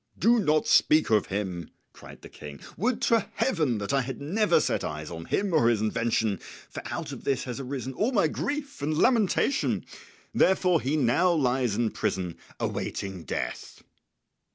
"Do not speak of him," cried the King. "Would to Heaven that I had never set eyes on him or his invention, for out of this has arisen all my grief and lamentation. Therefore he now lies in prison awaiting death."